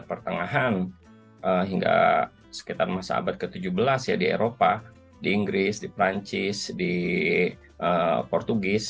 pertengahan hingga sekitar masa abad ke tujuh belas ya di eropa di inggris di perancis di portugis